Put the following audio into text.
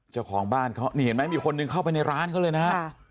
เจ้าของบ้านเขานี่เห็นไหมมีคนหนึ่งเข้าไปในร้านเขาเลยนะฮะ